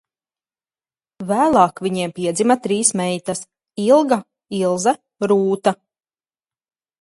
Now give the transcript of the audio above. Vēlāk viņiem piedzima trīs meitas: Ilga, Ilze, Rūta.